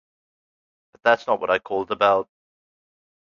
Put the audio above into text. But That's Not What I Called About.